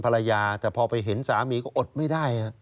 ภรรยาแต่พอไปเห็นสามีก็อดไม่ได้